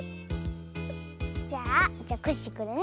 じゃあじゃコッシーこれね。